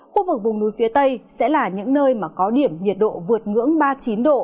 khu vực vùng núi phía tây sẽ là những nơi mà có điểm nhiệt độ vượt ngưỡng ba mươi chín độ